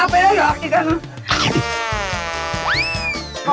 เอาไปออกอีกกัน